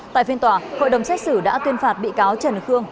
tại phiên tòa hội đồng xét xử đã tuyên phạt bị cáo trần khương